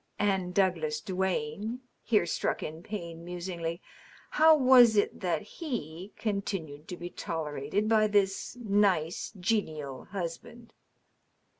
" And Douglas Duane .•" here struck in Payne, musingly. " How was it that he continued to be tolerated by this nice, genial husband